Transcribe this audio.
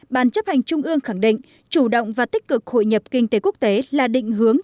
bàn chấp hành trung ương khẳng định chủ động và tích cực hội nhập kinh tế quốc tế là định hướng